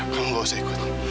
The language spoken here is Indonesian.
kamu gak usah ikut